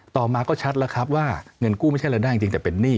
ต่อมาก็ชัดแล้วครับว่าเงินกู้ไม่ใช่รายได้จริงแต่เป็นหนี้